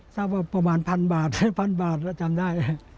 ทราบว่าประมาณพันบาทละครับทศพันจำได้